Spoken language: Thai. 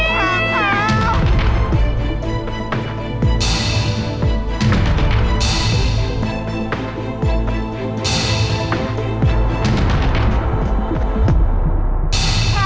กลับไปก่อนเลยนะครับ